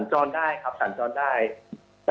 รถนี่ถังซ้อนได้ครับ